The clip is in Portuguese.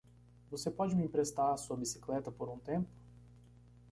Você pode me emprestar sua bicicleta por um tempo?